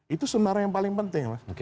itu sebenarnya yang paling penting mas